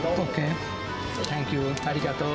サンキュー、ありがとう。